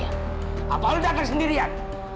apa lo datang sendirian